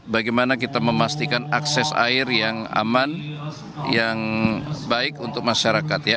bagaimana kita memastikan akses air yang aman yang baik untuk masyarakat ya